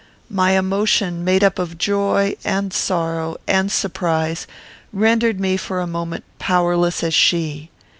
My emotion, made up of joy, and sorrow, and surprise, rendered me for a moment powerless as she.